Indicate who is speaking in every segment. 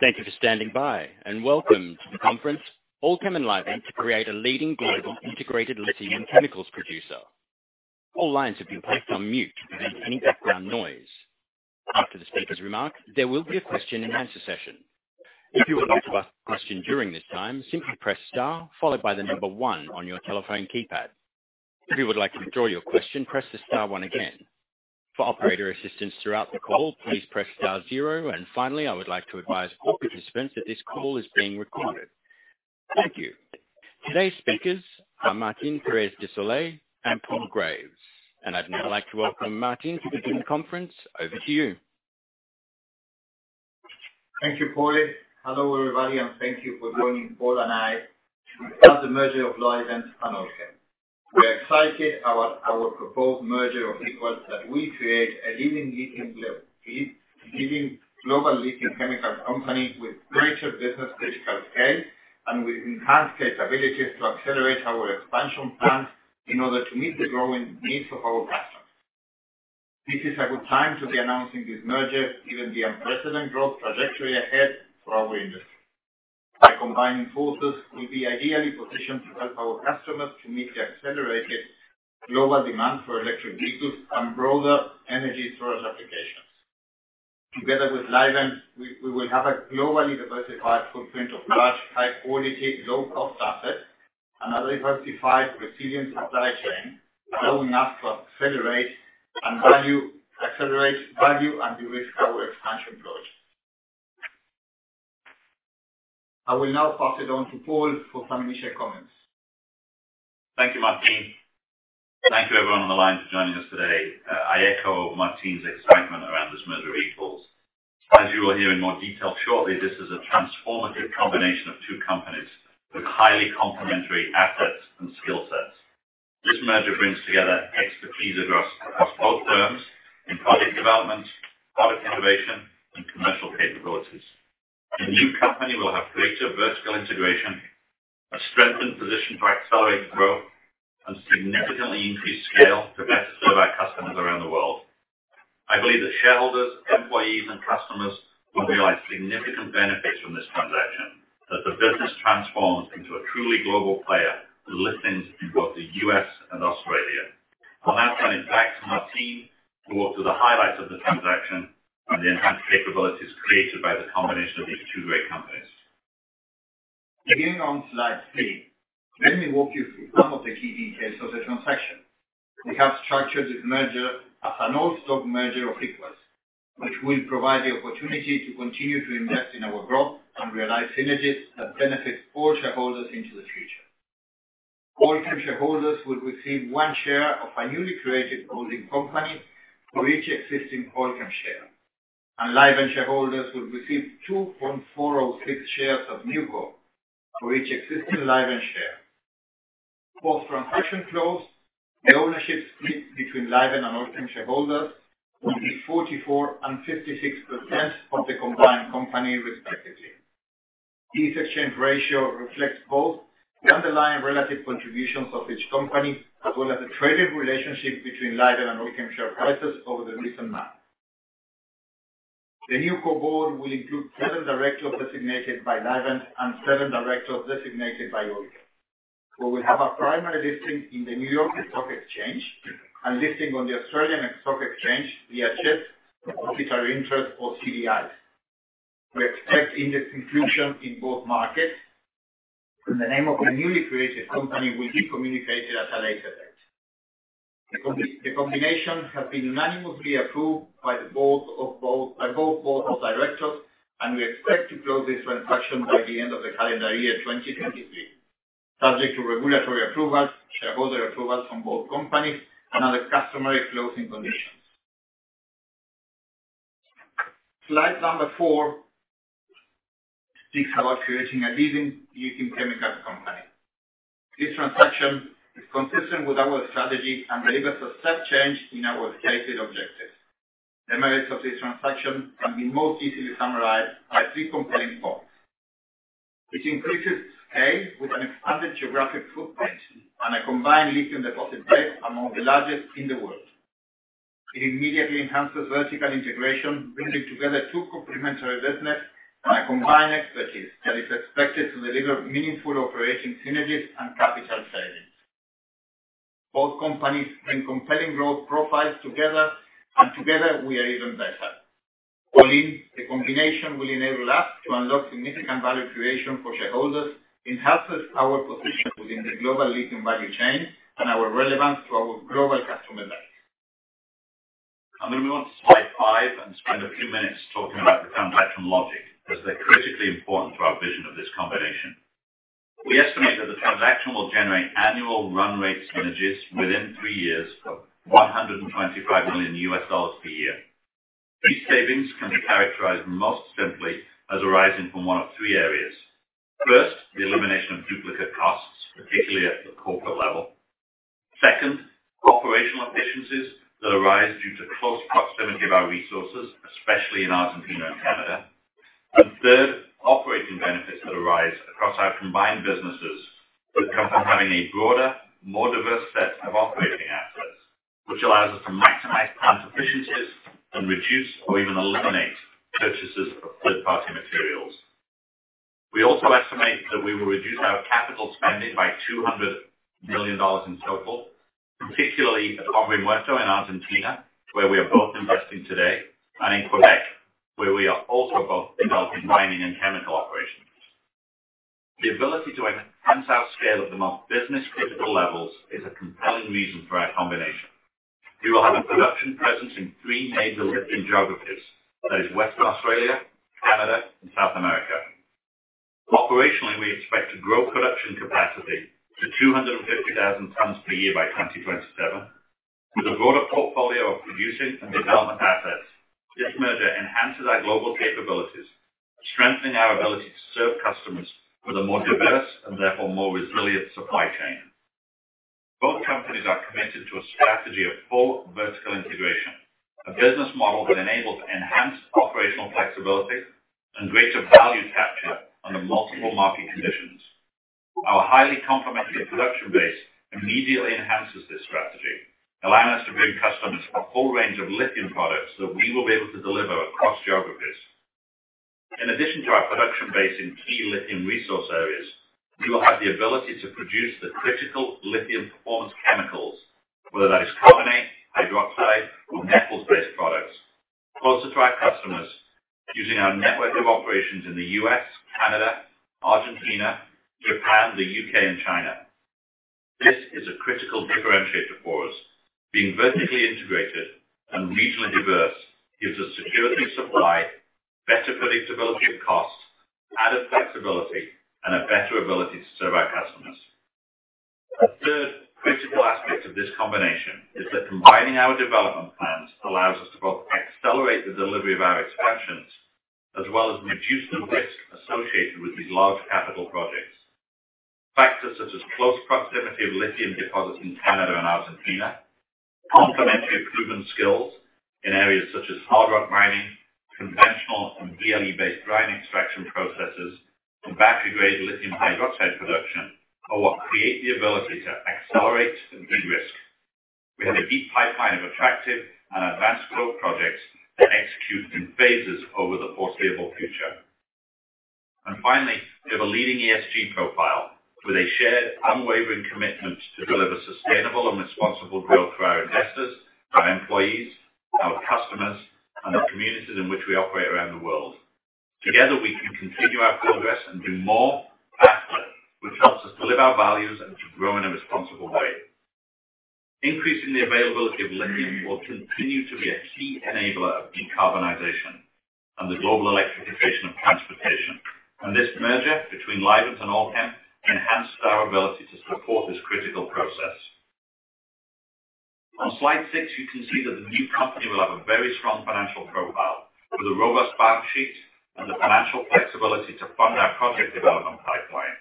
Speaker 1: Thank you for standing by, and welcome to the conference. Allkem and Livent create a leading global integrated lithium chemicals producer. All lines have been placed on mute to reduce any background noise. After the speaker's remark, there will be a question-and-answer session. If you would like to ask a question during this time, simply press star followed by the number one on your telephone keypad. If you would like to withdraw your question, press the star one again. For operator assistance throughout the call, please press star zero. Finally, I would like to advise all participants that this call is being recorded. Thank you. Today's speakers are Martín Pérez de Solay and Paul Graves. I'd now like to welcome Martín to begin the conference. Over to you.
Speaker 2: Thank you, Paulie. Hello, everybody, thank you for joining Paul and I to discuss the merger of Livent and Allkem. We are excited about our proposed merger of equals that will create a leading global lithium chemicals company with greater business critical scale and with enhanced capabilities to accelerate our expansion plans in order to meet the growing needs of our customers. This is a good time to be announcing this merger given the unprecedented growth trajectory ahead for our industry. By combining forces, we'll be ideally positioned to help our customers to meet the accelerated global demand for electric vehicles and broader energy storage applications. Together with Livent, we will have a globally diversified footprint of large, high-quality, low-cost assets and a diversified, resilient supply chain, allowing us to accelerate value and de-risk our expansion growth. I will now pass it on to Paul for some initial comments.
Speaker 3: Thank you, Martin. Thank you everyone on the line for joining us today. I echo Martin's excitement around this merger of equals. As you will hear in more detail shortly, this is a transformative combination of two companies with highly complementary assets and skill sets. This merger brings together expertise across both firms in product development, product innovation, and commercial capabilities. The new company will have greater vertical integration, a strengthened position to accelerate growth, and significantly increased scale to better serve our customers around the world. I believe that shareholders, employees, and customers will realize significant benefits from this transaction as the business transforms into a truly global player with listings in both the US and Australia. I'll now turn it back to Martin to walk through the highlights of the transaction and the enhanced capabilities created by the combination of these two great companies.
Speaker 2: Beginning on slide three, let me walk you through some of the key details of the transaction. We have structured this merger as an all-stock merger of equals, which will provide the opportunity to continue to invest in our growth and realize synergies that benefit all shareholders into the future. Allkem shareholders will receive one share of a newly created holding company for each existing Allkem share. Livent shareholders will receive 2.406 shares of NewCo for each existing Livent share. Post-transaction close, the ownership split between Livent and Allkem shareholders will be 44% and 56% of the combined company respectively. This exchange ratio reflects both the underlying relative contributions of each company, as well as the traded relationship between Livent and Allkem share prices over the recent months. The NewCo board will include seven directors designated by Livent and seven directors designated by Allkem. We will have a primary listing in the New York Stock Exchange and listing on the Australian Securities Exchange via CHESS Depositary Interests or CDIs. We expect index inclusion in both markets. The name of the newly created company will be communicated at a later date. The combination has been unanimously approved by both boards of directors. We expect to close this transaction by the end of the calendar year 2023, subject to regulatory approvals, shareholder approvals from both companies and other customary closing conditions. Slide number four speaks about creating a leading lithium chemicals company. This transaction is consistent with our strategy and delivers a step change in our stated objectives. The merits of this transaction can be most easily summarized by three compelling points. It increases scale with an expanded geographic footprint and a combined lithium deposit base among the largest in the world. It immediately enhances vertical integration, bringing together two complementary business and a combined expertise that is expected to deliver meaningful operation synergies and capital savings. Both companies bring compelling growth profiles together we are even better. All in, the combination will enable us to unlock significant value creation for shareholders, enhances our position within the global lithium value chain and our relevance to our global customer base.
Speaker 3: I'm gonna move on to slide five and spend a few minutes talking about the transaction logic, because they're critically important to our vision of this combination. We estimate that the transaction will generate annual run rate synergies within three years of $125 million per year. These savings can be characterized most simply as arising from one of three areas. First, the elimination of duplicate costs, particularly at the corporate level. Second, operational efficiencies that arise due to close proximity of our resources, especially in Argentina and Canada. Third, operating benefits that arise across our combined businesses that come from having a broader, more diverse set of operating assets. Which allows us to maximize plant efficiencies and reduce or even eliminate purchases of third-party materials. We also estimate that we will reduce our capital spending by $200 million in total, particularly at Hombre Muerto in Argentina, where we are both investing today, and in Quebec, where we are also both developing mining and chemical operations. The ability to enhance our scale at the most business-critical levels is a compelling reason for our combination. We will have a production presence in three major lithium geographies, that is Western Australia, Canada, and South America. Operationally, we expect to grow production capacity to 250,000 tons per year by 2027. With a broader portfolio of producing and development assets, this merger enhances our global capabilities, strengthening our ability to serve customers with a more diverse and therefore more resilient supply chain. Both companies are committed to a strategy of full vertical integration, a business model that enables enhanced operational flexibility and greater value capture under multiple market conditions. Our highly complementary production base immediately enhances this strategy, allowing us to bring customers a full range of lithium products that we will be able to deliver across geographies. In addition to our production base in key lithium resource areas, we will have the ability to produce the critical lithium performance chemicals, whether that is carbonate, hydroxide or metals-based products, closer to our customers using our network of operations in the U.S., Canada, Argentina, Japan, the U.K. and China. This is a critical differentiator for us. Being vertically integrated and regionally diverse gives us security of supply, better predictability of costs, added flexibility, and a better ability to serve our customers. A third critical aspect of this combination is that combining our development plans allows us to both accelerate the delivery of our expansions as well as reduce the risk associated with these large capital projects. Factors such as close proximity of lithium deposits in Canada and Argentina, complementary proven skills in areas such as hard rock mining, conventional and DLE-based brine extraction processes, and battery-grade lithium hydroxide production are what create the ability to accelerate and de-risk. Finally, we have a deep pipeline of attractive and advanced growth projects that execute in phases over the foreseeable future. Finally, we have a leading ESG profile with a shared, unwavering commitment to deliver sustainable and responsible growth for our investors, our employees, our customers, and the communities in which we operate around the world. Together, we can continue our progress and do more faster, which helps us to live our values and to grow in a responsible way. Increasing the availability of lithium will continue to be a key enabler of decarbonization and the global electrification of transportation. This merger between Livent and Allkem enhances our ability to support this critical process. On slide six, you can see that the new company will have a very strong financial profile with a robust balance sheet and the financial flexibility to fund our project development pipeline.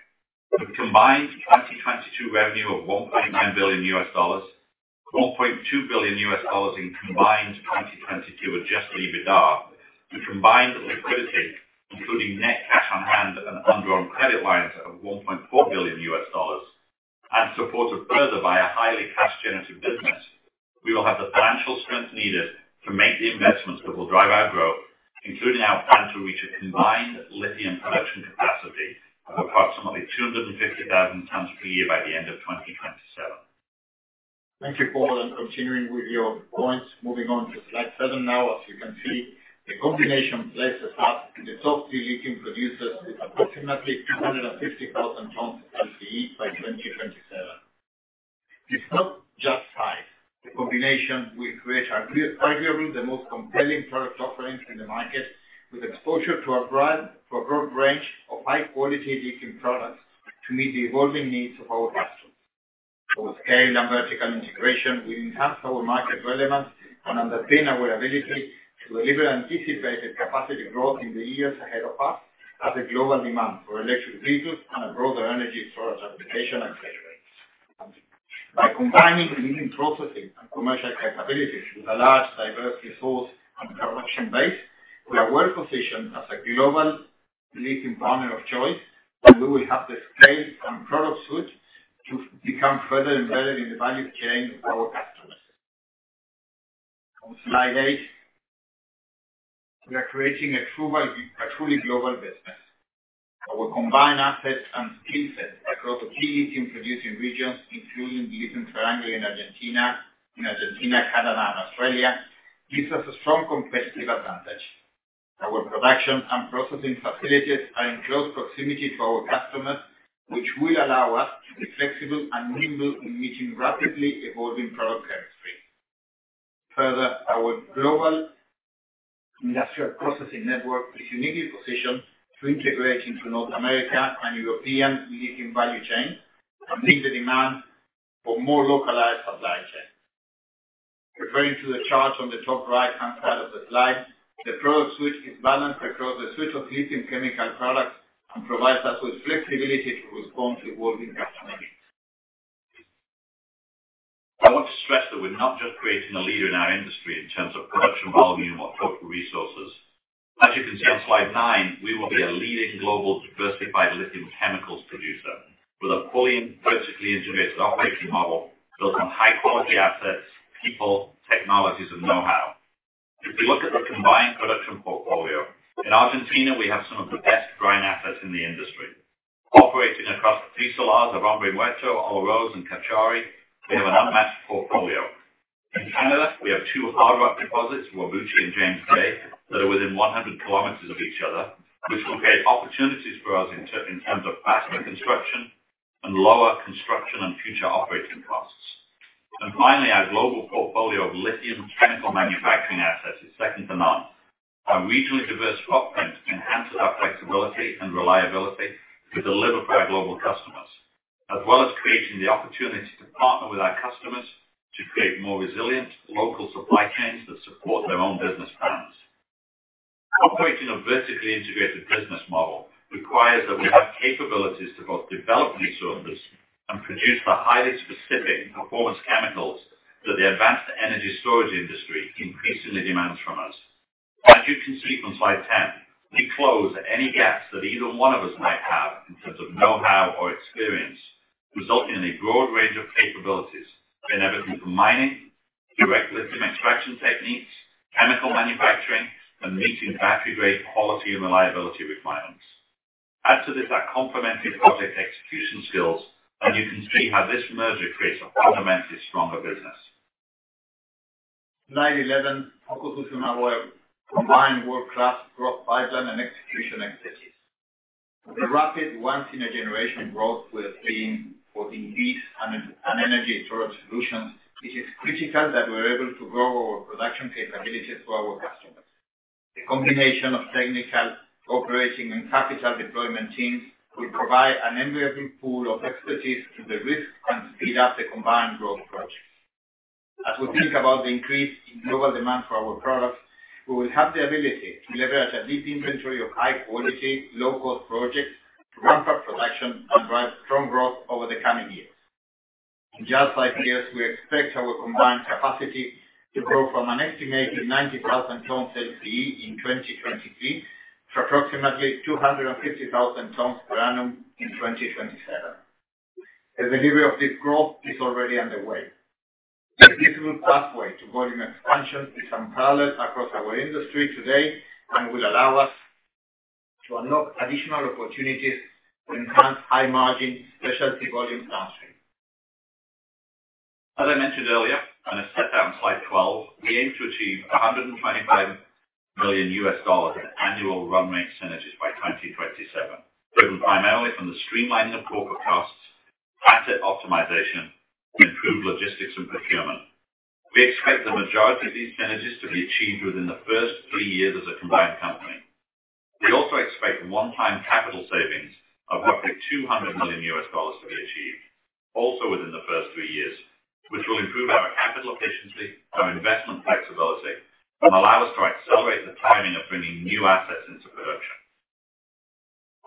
Speaker 3: With combined 2022 revenue of $1.9 billion, $1.2 billion in combined 2022 adjusted EBITDA, with combined liquidity, including net cash on hand and undrawn credit lines of $1.4 billion, and supported further by a highly cash generative business, we will have the financial strength needed to make the investments that will drive our growth, including our plan to reach a combined lithium production capacity of approximately 250,000 tons per year by the end of 2027.
Speaker 2: Thank you, Paul. Continuing with your points. Moving on to slide seven now. As you can see, the combination places us in the top three lithium producers with approximately 250,000 tons LCE by 2027. It's not just size. The combination will create arguably the most compelling product offerings in the market, with exposure to a broad range of high-quality lithium products to meet the evolving needs of our customers. With scale and vertical integration, we enhance our market relevance and underpin our ability to deliver anticipated capacity growth in the years ahead of us as the global demand for electric vehicles and a broader energy storage application accelerates. By combining lithium processing and commercial capabilities with a large, diverse resource and production base, we are well positioned as a global lithium partner of choice, and we will have the scale and product suite to become further embedded in the value chain of our customers. On slide eight, we are creating a truly global business. Our combined assets and skill set across the key lithium producing regions, including lithium triangle in Argentina, Canada, and Australia, gives us a strong competitive advantage. Our production and processing facilities are in close proximity to our customers, which will allow us to be flexible and nimble in meeting rapidly evolving product chemistry. Further, our global industrial processing network is uniquely positioned to integrate into North America and European lithium value chain and meet the demand for more localized supply chain. Referring to the chart on the top right-hand side of the slide, the product switch is balanced across a suite of lithium chemical products and provides us with flexibility to respond to evolving customer needs.
Speaker 3: I want to stress that we're not just creating a leader in our industry in terms of production volume or total resources. As you can see on slide nine, we will be a leading global diversified lithium chemicals producer with a fully vertically integrated operating model built on high quality assets, people, technologies and know-how. If you look at the combined production portfolio, in Argentina, we have some of the best brine assets in the industry. Operating across the three salars of Hombre Muerto, Olaroz and Cauchari, we have an unmatched portfolio. In Canada, we have two hard rock deposits, Whabouchi and James Bay, that are within 100 kilometers of each other, which will create opportunities for us in terms of faster construction and lower construction and future operating costs. Finally, our global portfolio of lithium chemical manufacturing assets is second to none. Our regionally diverse footprint enhances our flexibility and reliability to deliver for our global customers, as well as creating the opportunity to partner with our customers to create more resilient local supply chains that support their own business plans. Operating a vertically integrated business model requires that we have capabilities to both develop resources and produce the highly specific performance chemicals that the advanced energy storage industry increasingly demands from us. As you can see from slide 10, we close any gaps that either one of us might have in terms of know-how or experience, resulting in a broad range of capabilities in everything from mining, direct lithium extraction techniques, chemical manufacturing, and meeting battery-grade quality and reliability requirements. Add to this our complementary project execution skills, and you can see how this merger creates a fundamentally stronger business.
Speaker 2: Slide 11 focuses on our combined world-class growth pipeline and execution expertise. The rapid once in a generation growth we are seeing for EVs and energy storage solutions, it is critical that we're able to grow our production capabilities for our customers. The combination of technical, operating and capital deployment teams will provide an enviable pool of expertise to de-risk and speed up the combined growth projects. As we think about the increase in global demand for our products, we will have the ability to leverage a deep inventory of high quality, low cost projects to ramp up production and drive strong growth over the coming years. In just five years, we expect our combined capacity to grow from an estimated 90,000 tons LCE in 2023 to approximately 250,000 tons per annum in 2027. The delivery of this growth is already underway. The visible pathway to volume expansion is unparalleled across our industry today and will allow us to unlock additional opportunities to enhance high margin specialty volume downstream.
Speaker 3: As I mentioned earlier, as set out in slide 12, we aim to achieve $125 million in annual run rate synergies by 2027, driven primarily from the streamlining of corporate costs, asset optimization, improved logistics and procurement. We expect the majority of these synergies to be achieved within the first three years as a combined company. We also expect one-time capital savings of roughly $200 million to be achieved, also within the first three years, which will improve our capital efficiency, our investment flexibility, and allow us to accelerate the timing of bringing new assets into production.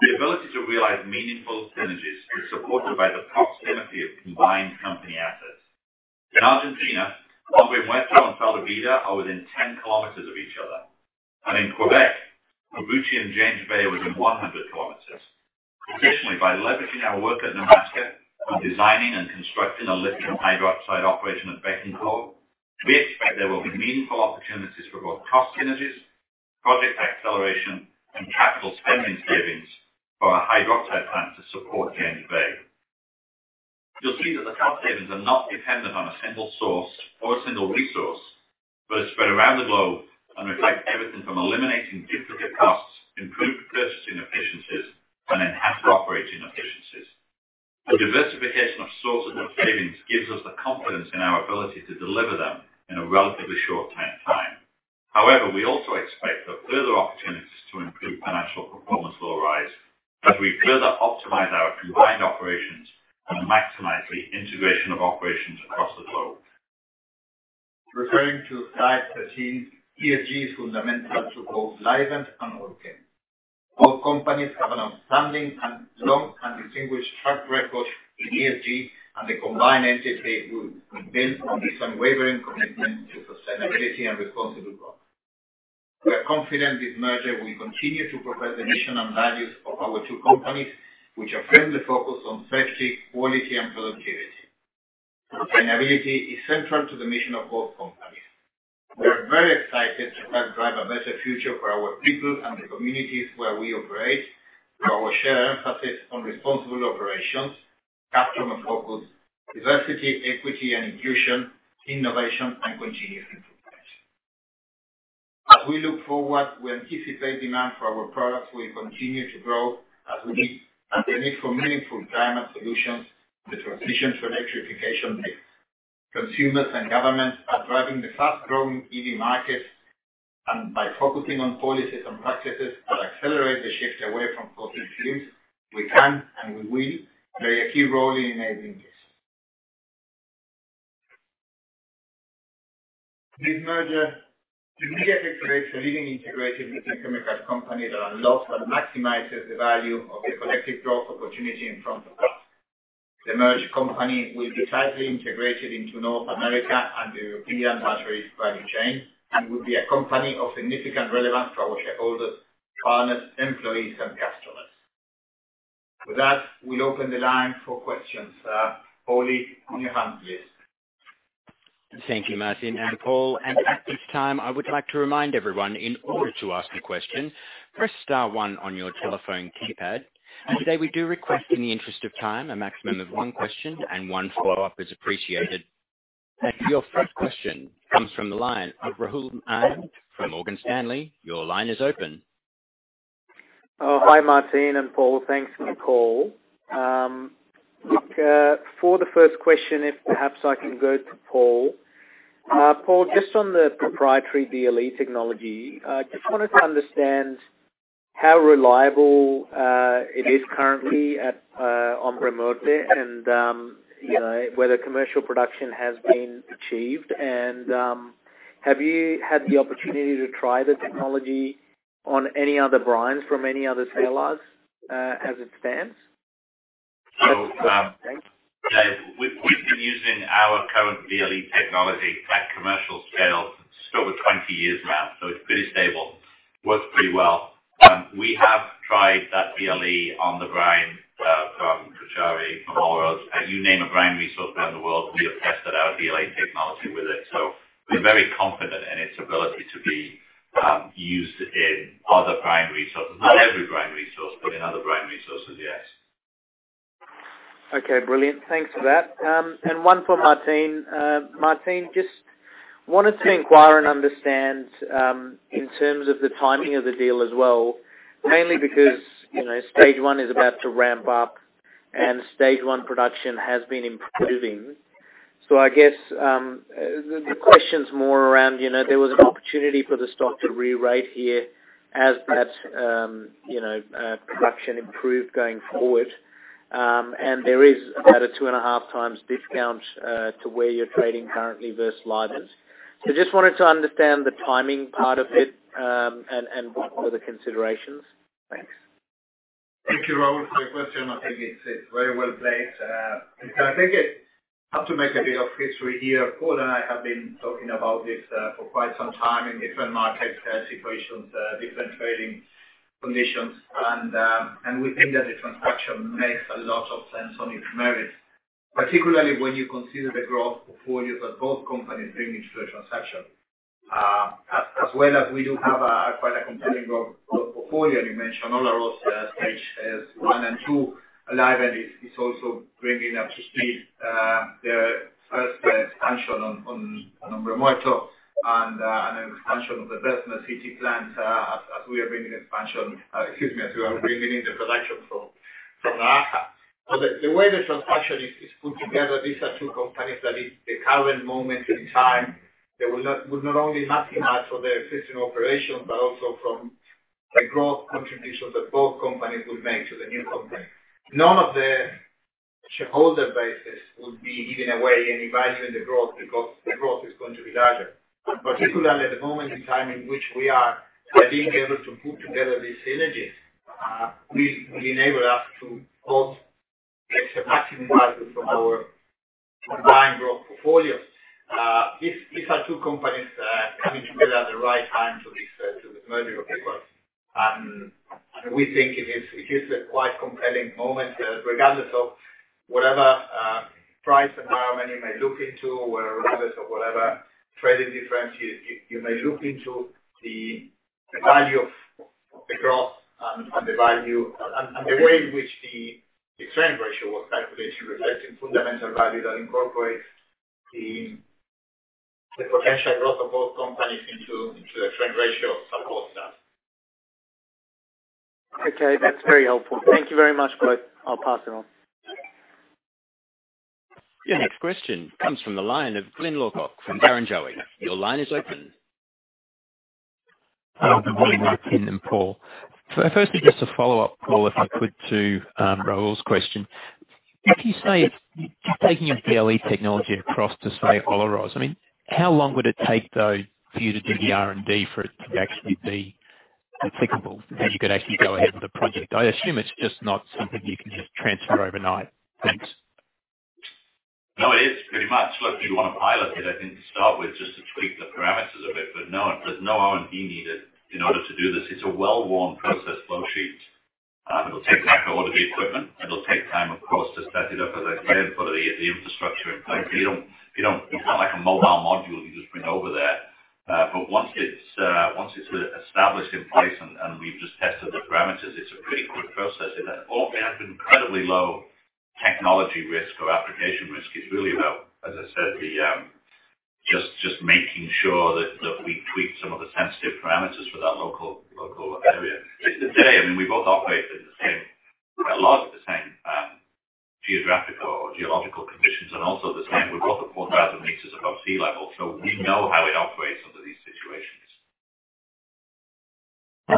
Speaker 3: The ability to realize meaningful synergies is supported by the proximity of combined company assets. In Argentina, Hombre Muerto and Sal de Vida are within 10 km of each other. In Quebec, Whabouchi and James Bay are within 100 km. Additionally, by leveraging our work at Nemaska on designing and constructing a lithium hydroxide operation at Bécancour, we expect there will be meaningful opportunities for both cost synergies, project acceleration, and capital spending savings for our hydroxide plant to support James Bay. You'll see that the cost savings are not dependent on a single source or a single resource, but are spread around the globe and reflect everything from eliminating duplicate costs, improved purchasing efficiencies, and enhanced operating efficiencies. The diversification of sources of savings gives us the confidence in our ability to deliver them in a relatively short time. We also expect that further opportunities to improve financial performance will arise as we further optimize our combined operations and maximize the integration of operations across the globe.
Speaker 2: Referring to slide 13, ESG is fundamental to both Livent and Orocobre. Both companies have an outstanding and long and distinguished track record in ESG. The combined entity will build on this unwavering commitment to sustainability and responsible growth. We are confident this merger will continue to progress the mission and values of our two companies, which are firmly focused on safety, quality, and productivity. Sustainability is central to the mission of both companies. We are very excited to help drive a better future for our people and the communities where we operate through our shared emphasis on responsible operations, customer focus, diversity, equity and inclusion, innovation, and continuous improvement. As we look forward, we anticipate demand for our products will continue to grow as we meet the need for meaningful climate solutions, the transition to electrification. Consumers and governments are driving the fast-growing EV markets. By focusing on policies and practices that accelerate the shift away from fossil fuels, we can and we will play a key role in enabling this. This merger immediately creates a leading integrated lithium chemical company that unlocks and maximizes the value of the collective growth opportunity in front of us. The merged company will be tightly integrated into North America and the European batteries value chain and will be a company of significant relevance for our shareholders, partners, employees and customers. With that, we'll open the line for questions. Oli, on your front please.
Speaker 1: Thank you, Martín and Paul. At this time, I would like to remind everyone, in order to ask a question, press star one on your telephone keypad. Today, we do request in the interest of time, a maximum of one question and one follow-up is appreciated. Your first question comes from the line of Rahul Anand from Morgan Stanley. Your line is open.
Speaker 4: Oh, hi, Martín and Paul. Thanks for the call. Look, for the first question, if perhaps I can go to Paul. Paul, just on the proprietary DLE technology, I just wanted to understand how reliable it is currently at Hombre Muerto and, you know, whether commercial production has been achieved. Have you had the opportunity to try the technology on any other brines from any other salars, as it stands?
Speaker 3: Yeah, we've been using our current DLE technology at commercial scale for over 20 years now, so it's pretty stable. Works pretty well. We have tried that DLE on the brine from Cauchari, from Olaroz. You name a brine resource around the world, we have tested our DLE technology with it. We're very confident in its ability to be used in other brine resources. Not every brine resource, but in other brine resources, yes.
Speaker 4: Okay, brilliant. Thanks for that. One for Martín. Martín, just wanted to inquire and understand, in terms of the timing of the deal as well, mainly because, you know, Stage one is about to ramp up and Stage one production has been improving. I guess, the question is more around, you know, there was an opportunity for the stock to rerate here as perhaps, you know, production improved going forward. There is about a 2.5 times discount to where you're trading currently versus Livent's. Just wanted to understand the timing part of it, and what were the considerations. Thanks.
Speaker 2: Thank you, Rahul, for your question. I think it's very well placed. I have to make a bit of history here. Paul and I have been talking about this for quite some time in different market situations, different trading conditions. and we think that the transaction makes a lot of sense on its merits, particularly when you consider the growth portfolios that both companies bring into the transaction. as well as we do have quite a compelling growth portfolio. You mentioned Olaroz stage one and two live, and it's also bringing up to speed their first expansion on Hombre Muerto and an expansion of the Bessemer City plant, as we are bringing excuse me, as we are bringing in the production from Olaroz. The way the transaction is put together, these are two companies that at the current moment in time, they will not only maximize for their existing operations, but also from the growth contributions that both companies would make to the new company. None of the shareholder basis would be giving away any value in the growth because the growth is going to be larger, particularly the moment in time in which we are being able to put together these synergies. We enable us to both get maximum value from our combined growth portfolios. These are two companies coming together at the right time to this merger of equals. We think it is a quite compelling moment, regardless of whatever price environment you may look into, regardless of whatever trading difference you may look into the value of the growth and the value and the way in which the exchange ratio was calculated reflecting fundamental value that incorporates the potential growth of both companies into the exchange ratio supports that.
Speaker 4: Okay, that's very helpful. Thank you very much, guys. I'll pass it on.
Speaker 1: The next question comes from the line of Glyn Lawcock from Barrenjoey. Your line is open.
Speaker 5: Good morning, Martín and Paul. Firstly, just a follow-up, Paul, if I could, to Rahul's question. If you say you're taking a DLE technology across to, say, Olaroz, I mean, how long would it take, though, for you to do the R&D for it to actually be applicable, so you could actually go ahead with the project? I assume it's just not something you can just transfer overnight. Thanks.
Speaker 3: No, it is pretty much. Look, you want to pilot it, I think, to start with, just to tweak the parameters of it. No, there's no R&D needed in order to do this. It's a well-worn process flow sheet. It'll take time to order the equipment. It'll take time, of course, to set it up as I said, and put the infrastructure in place. So you don't... It's not like a mobile module you just bring over there. But once it's, once it's established in place and we've just tested the parameters, it's a pretty quick process. It also has incredibly low technology risk or application risk. It's really about, as I said, the, just making sure that we tweak some of the sensitive parameters for that local area. Today, I mean, we both operate in the same, a lot of the same, geographical or geological conditions and also the same. We're both at 4,000 meters above sea level. We know how it operates under these situations.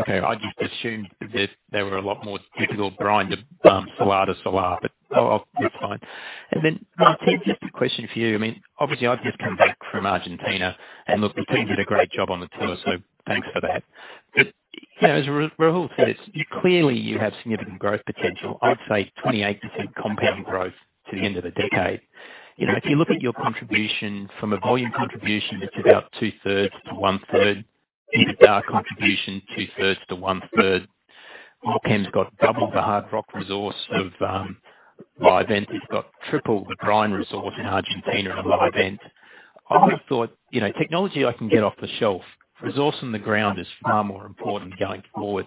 Speaker 5: Okay. I just assumed that there were a lot more difficult brine to Olaroz, I'll define. Martín, just a question for you. I mean, obviously, I've just come back from Argentina, look, the team did a great job on the tour, thanks for that. You know, as Rahul said, clearly you have significant growth potential. I'd say 28% compounding growth to the end of the decade. You know, if you look at your contribution from a volume contribution, it's about two-thirds to one-third. EBITDA contribution, two-thirds to one-third. Allkem's got double the hard rock resource of Livent. It's got triple the brine resource in Argentina of Livent. I would have thought, you know, technology I can get off the shelf. Resource in the ground is far more important going forward.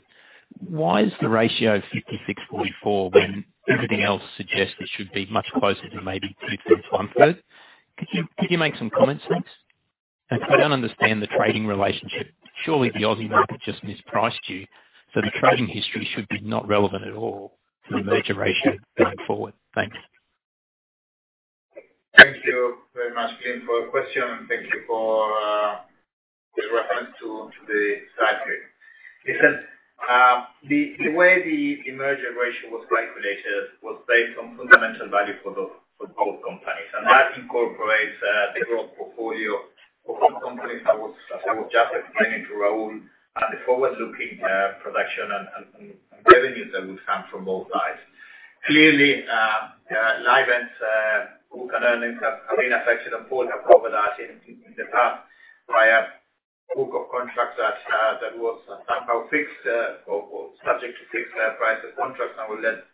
Speaker 5: Why is the ratio 56:44 when everything else suggests it should be much closer to maybe two-thirds, one-third? Could you make some comments, please? Because I don't understand the trading relationship. Surely the Aussie market just mispriced you, so the trading history should be not relevant at all to the merger ratio going forward. Thanks.
Speaker 2: Thank you very much, Glyn, for the question. Thank you for the reference to the slide here. Listen, the way the merger ratio was calculated was based on fundamental value for both companies. That incorporates the growth portfolio for both companies that was, as I was just explaining to Rahul, and the forward-looking production and revenues that would come from both sides. Clearly, Livent's book and earnings have been affected, and Paul have covered that in the past by a book of contracts that was somehow fixed or subject to fixed price of contracts. I will let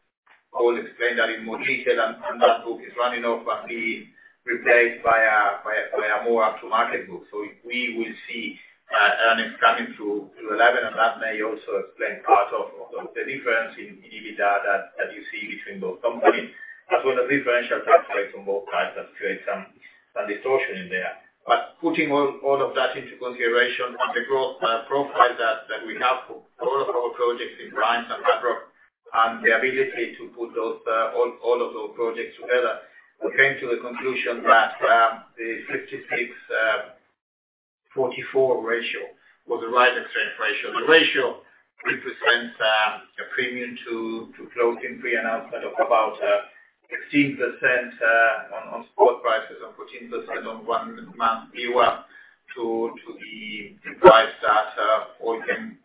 Speaker 2: Paul explain that in more detail. That book is running off and being replaced by a more up-to-market book. We will see earnings coming through to Eleven, and that may also explain part of the difference in EBITDA that you see between both companies. As well as the differential contracts from both sides that create some distortion in there. Putting all of that into consideration and the growth profile that we have for all of our projects in brines and hard rock and the ability to put all of those projects together, we came to the conclusion that the 56:44 ratio was the right exchange ratio. The ratio represents a premium to closing pre-announcement of about 16% on spot prices and 14% on one-month VWAP to the price that Allkem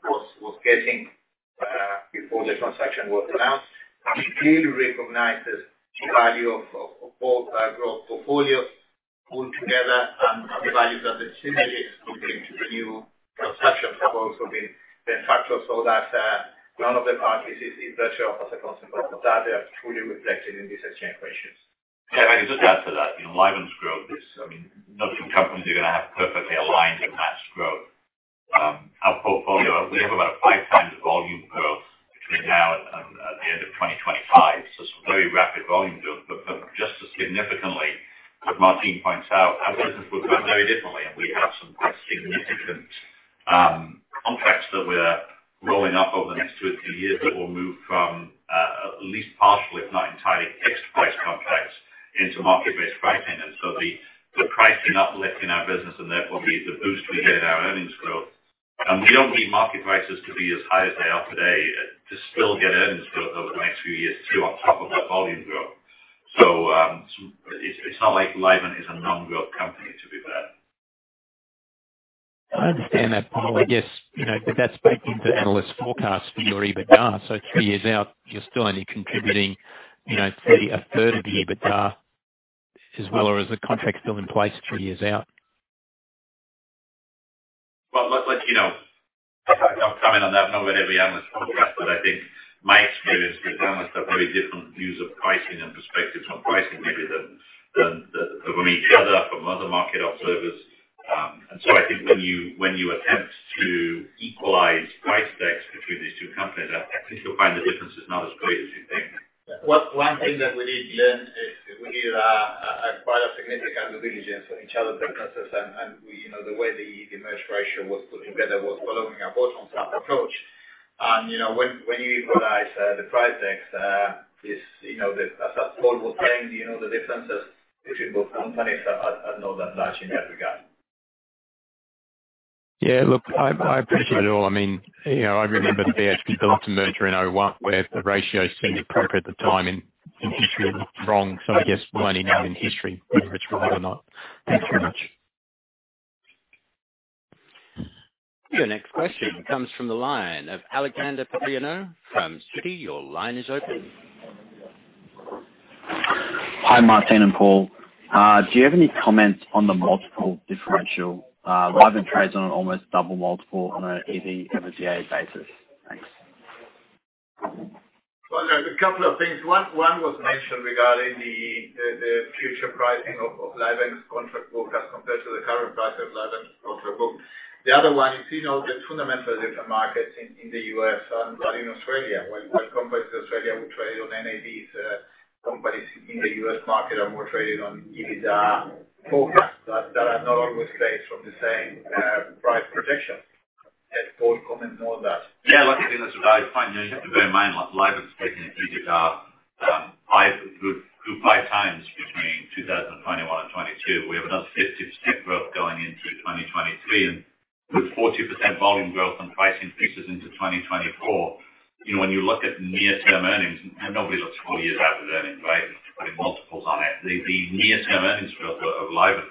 Speaker 2: was getting before the transaction was announced. It clearly recognizes the value of both our growth portfolios pulled together and the values that the synergies would bring to the new transaction have also been factored so that none of the parties is worse off as a consequence of that. They are truly reflected in these exchange ratios.
Speaker 3: Yeah. If I could just add to that. You know, Livent's growth is, I mean, no two companies are gonna have perfectly aligned and matched growth. Our portfolio, we have about five times the volume growth between now and the end of 2025. Some very rapid volume growth. Just as significantly, as Martín points out, our business will grow very differently, and we have some quite significant contracts that we're rolling up over the next two or three years that will move from at least partially, if not entirely, fixed price contracts into market-based pricing. The pricing uplift in our business and therefore the boost we get in our earnings growth. We don't need market prices to be as high as they are today to still get earnings growth over the next few years too, on top of that volume growth. It's not like Livent is a non-growth company, to be fair.
Speaker 5: I understand that, Paul. Yes. You know, that's baked into analyst forecasts for your EBITDA. It's three years out, you're still only contributing, you know, a third of the EBITDA as well, or is the contract still in place three years out?
Speaker 3: Well, let's let, you know. I'll comment on that. I've known every analyst forecast that I think my experience with analysts are very different views of pricing and perspectives on pricing maybe than from each other, from other market observers. I think when you, when you attempt to equalize price decks between these two companies, I think you'll find the difference is not as great as you think.
Speaker 2: One thing that we did, Glenn, is we did a quite a significant due diligence on each other's businesses and we, you know, the way the merge ratio was put together was following a bottom-up approach. You know, when you equalize the price decks, As Paul was saying, you know, the differences between both companies are not that large in that regard.
Speaker 5: Yeah. Look, I appreciate it all. I mean, you know, I remember the BHP Billiton merger in 2001 where the ratio seemed appropriate at the time in history it was wrong. I guess mining isn't history, whether it's right or not. Thanks very much.
Speaker 1: Your next question comes from the line of Alexander Papaioanou from Citi. Your line is open.
Speaker 6: Hi, Martín and Paul. Do you have any comment on the multiple differential? Livent trades on an almost double multiple on a EBITDA basis. Thanks.
Speaker 2: There are a couple of things. One was mentioned regarding the future pricing of Livent's contract book as compared to the current price of Livent's contract book. The other one is, you know, the fundamental different markets in the U.S. and, well, in Australia. When companies in Australia would trade on NABs, companies in the U.S. market are more traded on EBITDA forecasts that are not always based from the same price projections. Does Paul comment more on that?
Speaker 3: Yeah. Look, I think that's a valid point. You know, you have to bear in mind, like, Livent's taken EBITDA five times between 2021 and 2022. We have another 50% growth going into 2023. With 40% volume growth and pricing fixes into 2024, you know, when you look at near-term earnings, nobody looks four years out at earnings, right, to put any multiples on it. The near-term earnings growth of Livent,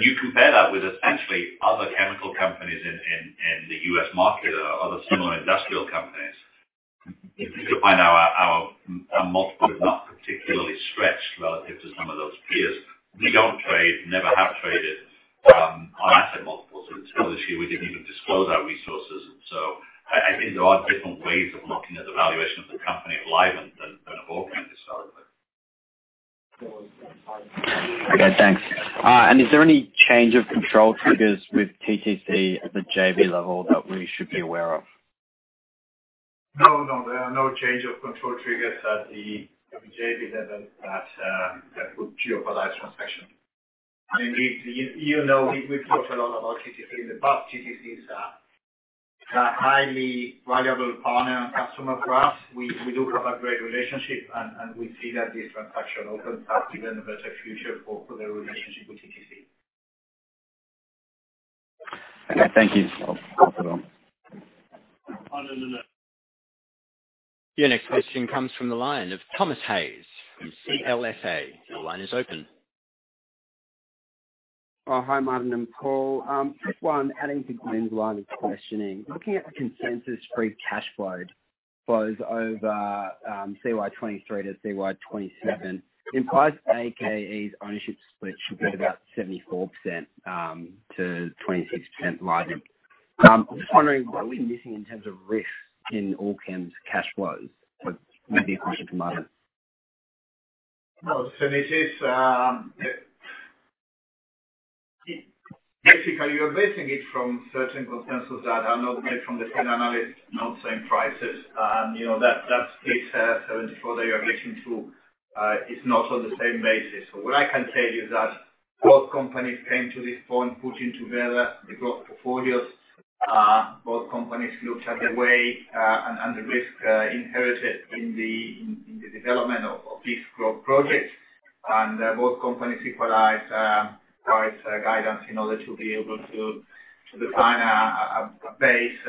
Speaker 3: you compare that with essentially other chemical companies in the US market or other similar industrial companies. If you define our multiple is not particularly stretched relative to some of those peers. We don't trade, never have traded on asset multiples. This year we didn't even disclose our resources. I think there are different ways of looking at the valuation of the company at Livent than of Allkem historically.
Speaker 6: Okay, thanks. Is there any change of control triggers with TTC at the JV level that we should be aware of?
Speaker 2: No, no. There are no change of control triggers at the JV level that would jeopardize transaction. I mean, you know, we've talked a lot about TTC in the past. TTC is a highly valuable partner and customer for us. We do have a great relationship and we see that this transaction opens up even a better future for the relationship with TTC.
Speaker 6: Okay, thank you. I'll pass it on.
Speaker 1: Your next question comes from the line of Thomas Hayes from CLSA. Your line is open.
Speaker 7: Hi, Martín and Paul. Just one adding to Glyn's line of questioning. Looking at the consensus free cash flow flows over CY 2023 to CY 2027 implies AKE's ownership split should be about 74% to 26% Livent. I'm just wondering, are we missing in terms of risk in Allkem's cash flows? Maybe a question for Martín.
Speaker 2: No. This is basically, you're basing it from certain consensus that are not made from the same analysts, not same prices. You know, that split 74 that you're relating to is not on the same basis. What I can tell you is that both companies came to this point putting together the growth portfolios. Both companies looked at the way and the risk inherited in the development of these growth projects. Both companies equalized price guidance in order to be able to define a base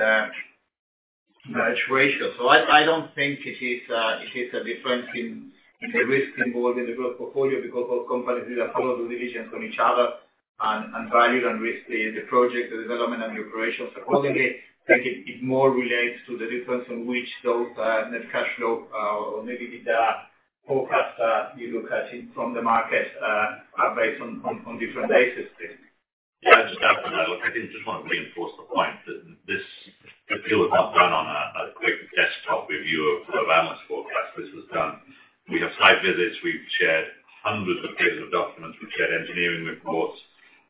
Speaker 2: ratio. I don't think it is a difference in the risk involved in the growth portfolio because both companies did a thorough due diligence on each other and valued and risked the project, the development and the operations accordingly. I think it more relates to the difference in which those net cash flow or maybe the forecast you look at it from the market are based on different basis.
Speaker 3: Yeah. Just to add to that. Look, I think I just wanna reinforce the point that this deal was not done on a quick desktop review of analyst forecast. This was done. We have site visits. We've shared hundreds of pages of documents. We've shared engineering reports.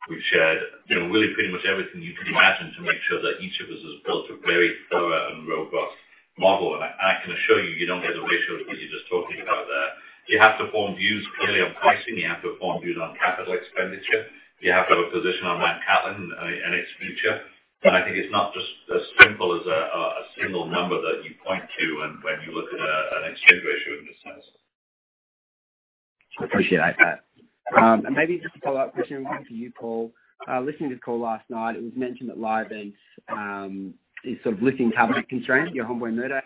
Speaker 3: We've shared, you know, really pretty much everything you can imagine to make sure that each of us has built a very thorough and robust model. I can assure you don't get a ratio of what you're just talking about there. You have to form views clearly on pricing. You have to form views on capital expenditure. You have to have a position on Mt Cattlin and its future. I think it's not just as simple as a single number that you point to and when you look at an exchange ratio in this sense.
Speaker 7: Appreciate that. Maybe just a follow-up question for you, Paul. Listening to the call last night, it was mentioned that Livent is sort of lifting carbonate constraints, your Hombre Muerto.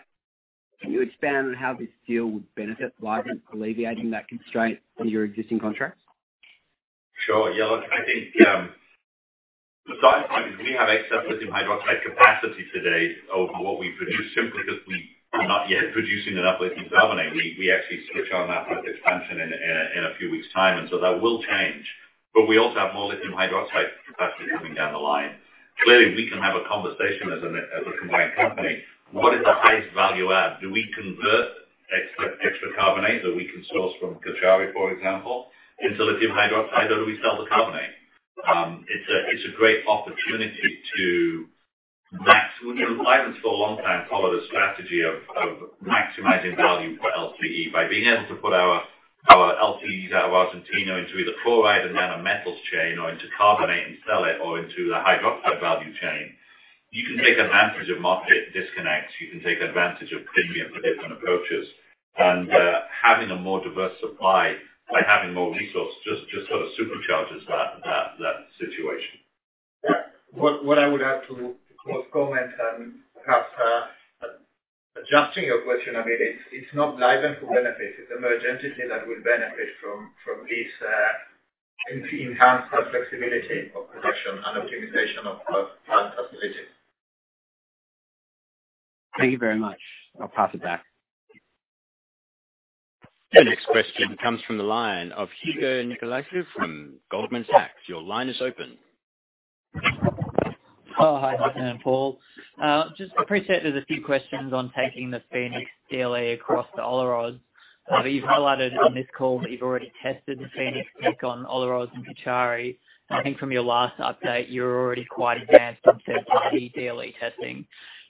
Speaker 7: Can you expand on how this deal would benefit Livent alleviating that constraint on your existing contracts?
Speaker 3: Sure. Yeah, look, I think, the starting point is we have excess lithium hydroxide capacity today over what we produce simply because we are not yet producing enough lithium carbonate. We actually switch on that with expansion in a few weeks time, that will change. We also have more lithium hydroxide capacity coming down the line. Clearly, we can have a conversation as a combined company. What is the highest value add? Do we convert extra carbonate that we can source from Cauchari, for example, into lithium hydroxide, or do we sell the carbonate? It's a great opportunity to you know, Livent's for a long time followed a strategy of maximizing value for LCE. By being able to put our LCEs out of Argentina into either chloride and then a metals chain or into carbonate and sell it or into the hydroxide value chain, you can take advantage of market disconnects. You can take advantage of premium for different approaches. Having a more diverse supply by having more resource just sort of supercharges that situation.
Speaker 2: Yeah. What I would like to of course comment and perhaps, adjusting your question a bit, it's not Livent who benefits, it's the merged entity that will benefit from this enhanced flexibility of production and optimization of the plant facilities.
Speaker 7: Thank you very much. I'll pass it back.
Speaker 1: The next question comes from the line of Hugo Nicolaci from Goldman Sachs. Your line is open.
Speaker 8: Oh, hi. Martín and Paul. Just appreciate there's a few questions on taking the Fénix DLE across to Olaroz. You've highlighted on this call that you've already tested the Fénix tech on Olaroz and Cauchari. I think from your last update, you're already quite advanced on third party DLE testing.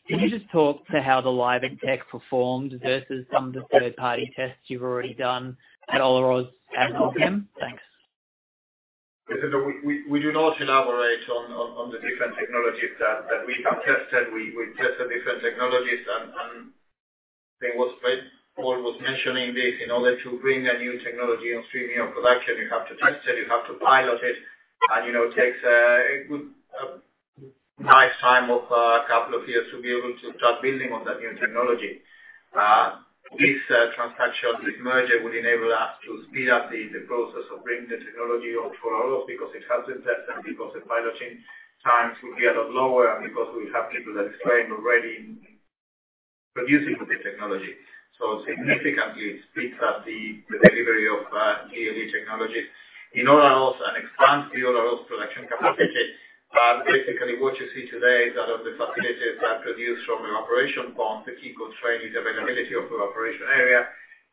Speaker 8: Can you just talk to how the Livent tech performed versus some of the third party tests you've already done at Olaroz and Allkem? Thanks.
Speaker 2: We do not elaborate on the different technologies that we have tested. We tested different technologies and I think what Paul was mentioning this, in order to bring a new technology on streaming or production, you have to test it, you have to pilot it. You know, it takes a good nice time of two years to be able to start building on that new technology. This transaction, this merger would enable us to speed up the process of bringing the technology on for all of us because it has been tested and because the piloting times will be a lot lower because we have people at stream already producing with the technology. Significantly speeds up the delivery of DLE technology in order also expand the overall production capacity. Basically what you see today is out of the facilities that produce from an evaporation pond, the key constraint is availability of evaporation area.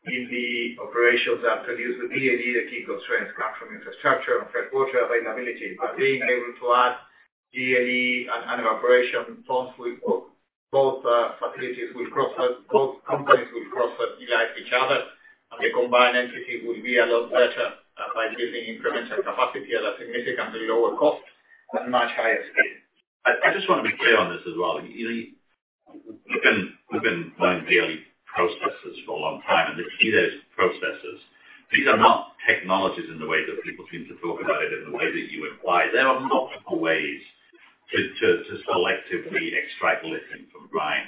Speaker 2: In the operations that produce the DLE, the key constraints come from infrastructure and freshwater availability. Being able to add DLE and evaporation ponds. Both companies will cross-utilize each other, and the combined entity will be a lot better, by building incremental capacity at a significantly lower cost at a much higher scale.
Speaker 3: I just wanna be clear on this as well. You know, we've been learning DLE processes for a long time, the key there is processes. These are not technologies in the way that people seem to talk about it in the way that you imply. There are multiple ways to selectively extract lithium from brine.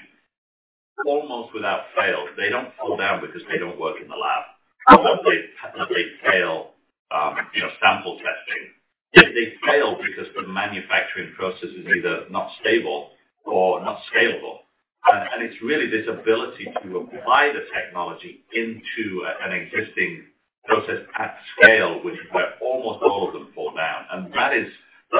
Speaker 3: Almost without fail, they don't fall down because they don't work in the lab or that they fail, you know, sample testing. They fail because the manufacturing process is either not stable or not scalable. It's really this ability to apply the technology into an existing process at scale, which is where almost all of them fall down. That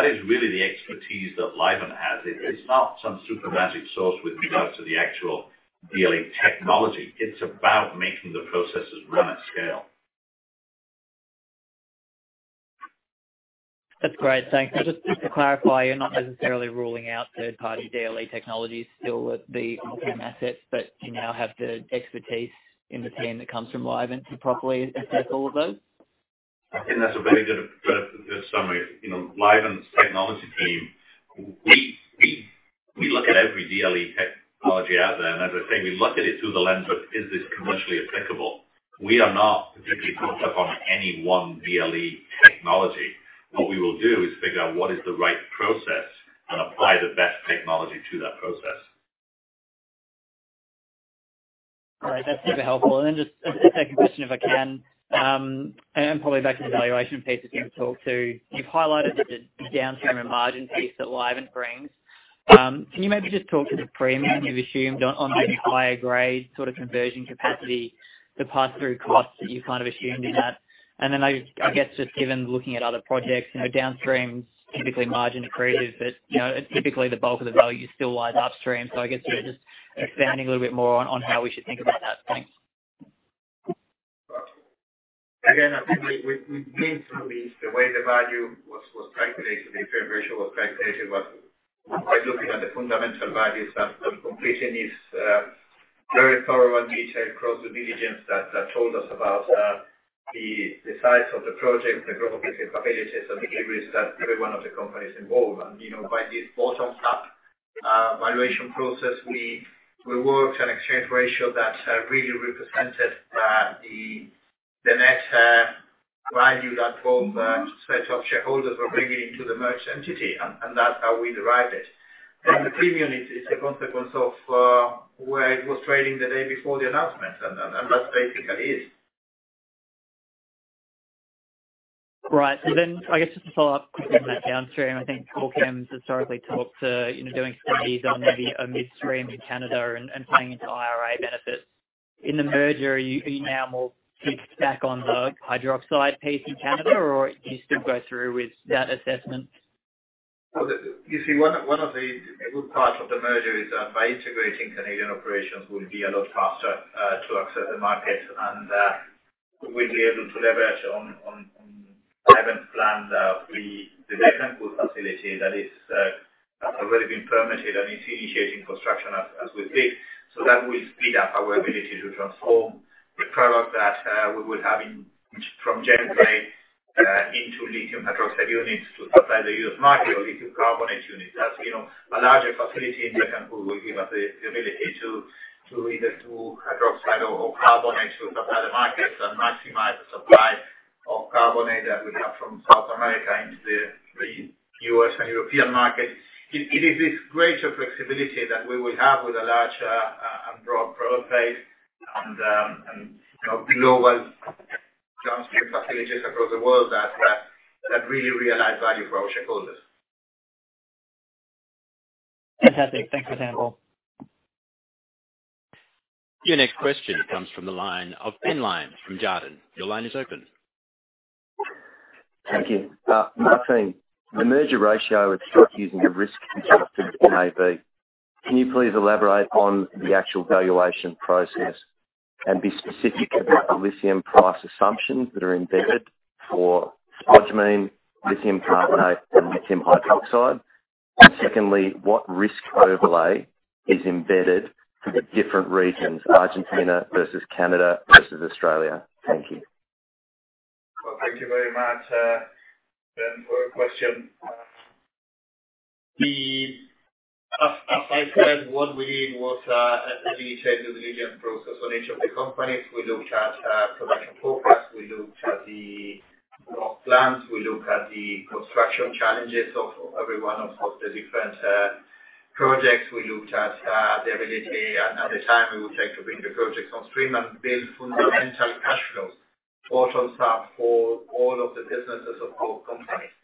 Speaker 3: is really the expertise that Livent has. It is not some super magic sauce with regard to the actual DLE technology. It's about making the processes run at scale.
Speaker 8: That's great. Thanks. Just to clarify, you're not necessarily ruling out third-party DLE technologies still with the Pilbara asset, but you now have the expertise in the team that comes from Livent to properly assess all of those?
Speaker 3: I think that's a very good summary. You know, Livent's technology team, we look at every DLE technology out there. As I say, we look at it through the lens of, is this commercially applicable? We are not particularly hooked up on any one DLE technology. What we will do is figure out what is the right process and apply the best technology to that process.
Speaker 8: All right. That's super helpful. Just a second question, if I can, and probably back to the valuation piece that you talked to. You've highlighted the downstream and margin piece that Livent brings. Can you maybe just talk to the premium you've assumed on the higher grade sort of conversion capacity, the pass-through costs that you kind of assumed in that? I guess just given looking at other projects, you know, downstream's typically margin accretive, but you know, typically the bulk of the value still lies upstream. I guess, yeah, just expanding a little bit more on how we should think about that. Thanks.
Speaker 2: Again, I think we've been through this. The way the value was calculated, the exchange ratio was calculated by looking at the fundamental values that on completion is very thorough and detailed across the diligence that told us about the size of the project, the growth of business capabilities and deliveries that every one of the companies involved. You know, by this bottom-up valuation process, we worked an exchange ratio that really represented the net value that both set of shareholders were bringing into the merged entity. That's how we derived it. The premium is a consequence of where it was trading the day before the announcement. That basically is.
Speaker 8: Right. I guess just to follow up quickly on that downstream, I think Pilbara historically talked to, you know, doing studies on maybe a midstream in Canada and playing into IRA benefits. In the merger, are you now more fixed back on the hydroxide piece in Canada, or do you still go through with that assessment?
Speaker 2: You see, one of the good parts of the merger is that by integrating Canadian operations, we'll be a lot faster to access the market, and we'll be able to leverage on Livent's plans of the second pool facility that is already been permitted and is initiating construction as we speak. That will speed up our ability to transform the product that we would have in, from Gen 3, into lithium hydroxide units to supply the U.S. market or lithium carbonate units. That's, you know, a larger facility in Bécancour will give us the ability to either do hydroxide or carbonate to supply the markets and maximize the supply of carbonate that we have from South America into the U.S. and European markets. It is this greater flexibility that we will have with a larger, broad product base and, you know, global downstream facilities across the world that really realize value for our shareholders.
Speaker 8: Fantastic. Thanks for that, Paul.
Speaker 1: Your next question comes from the line of Ben Lyon from Jarden. Your line is open.
Speaker 9: Thank you. Martin, the merger ratio is not using a risk-adjusted NAV. Can you please elaborate on the actual valuation process and be specific about the lithium price assumptions that are embedded for spodumene, lithium carbonate, and lithium hydroxide? Secondly, what risk overlay is embedded for the different regions, Argentina versus Canada versus Australia? Thank you.
Speaker 2: Well, thank you very much, Ben, for your question. As I said, what we did was, as we said, the diligence process on each of the companies. We looked at production forecasts, we looked at the growth plans. We look at the construction challenges of every one of the different facilities. Projects, we looked at the ability and at the time we would like to bring the projects on stream and build fundamental cash flows. Portions are for all of the businesses of both companies.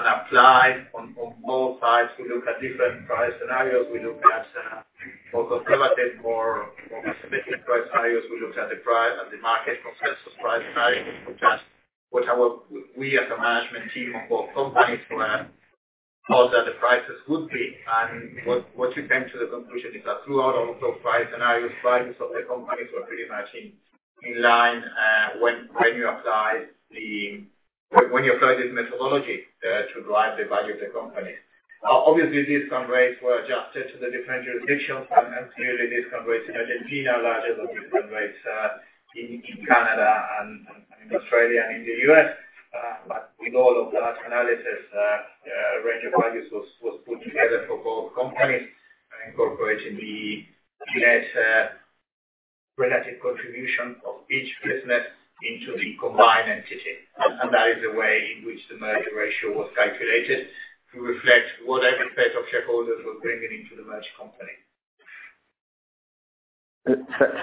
Speaker 2: Apply on both sides. We look at different price scenarios. We look at more conservative, more specific price scenarios. We looked at the price and the market consensus price scenarios. We looked at what we as a management team of both companies were how that the prices would be. What we came to the conclusion is that throughout all those price scenarios, prices of the companies were pretty much in line. When you apply this methodology to drive the value of the company. Obviously, discount rates were adjusted to the different jurisdictions, clearly discount rates in Argentina are larger than discount rates in Canada and in Australia and in the U.S. With all of that analysis, a range of values was put together for both companies and incorporated the net relative contribution of each business into the combined entity. That is the way in which the merger ratio was calculated to reflect what every set of shareholders were bringing into the merged company.